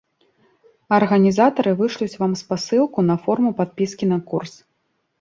Арганізатары вышлюць вам спасылку на форму падпіскі на курс.